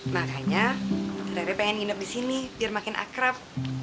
makanya dari pengen nginep di sini biar makin akrab